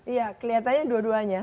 iya kelihatannya dua duanya